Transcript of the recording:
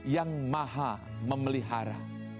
yang maha memelihara